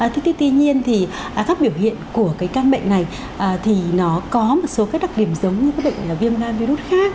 thực tế tuy nhiên thì các biểu hiện của cái căn bệnh này thì nó có một số các đặc điểm giống như các bệnh viêm gan virus khác